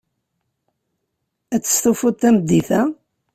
Ad testufuḍ tameddit-a?